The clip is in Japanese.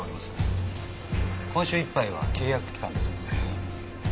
今週いっぱいは契約期間ですので。